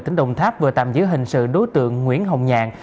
tính đồng tháp vừa tạm giữ hình sự đối tượng nguyễn hồng nhạn